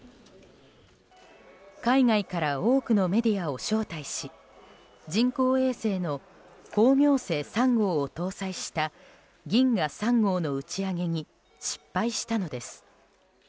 海外から多くのメディアを招待し人工衛星の「カンミョンソン３号」を搭載した「銀河３号」の打ち上げに失敗したのです。